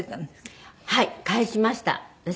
はい返しました。